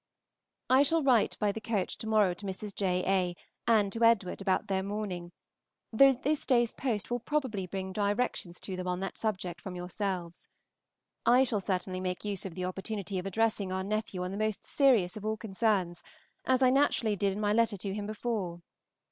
I shall write by the coach to morrow to Mrs. J. A., and to Edward, about their mourning, though this day's post will probably bring directions to them on that subject from yourselves. I shall certainly make use of the opportunity of addressing our nephew on the most serious of all concerns, as I naturally did in my letter to him before.